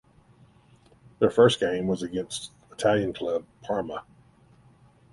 Their first game was against Italian club Parma.